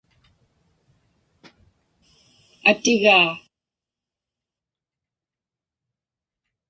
atigaa